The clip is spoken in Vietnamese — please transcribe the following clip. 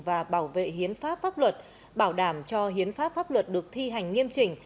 và bảo vệ hiến pháp pháp luật bảo đảm cho hiến pháp pháp luật được thi hành nghiêm trình